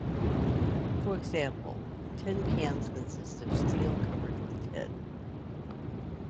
For example, tin cans consist of steel covered with tin.